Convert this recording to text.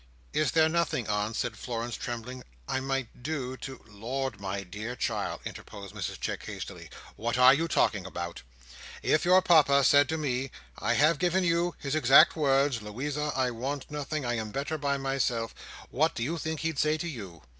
"Is there nothing, aunt," said Florence, trembling, "I might do to—" "Lord, my dear child," interposed Mrs Chick, hastily, "what are you talking about? If your Papa said to Me—I have given you his exact words, 'Louisa, I want nothing; I am better by myself'—what do you think he'd say to you?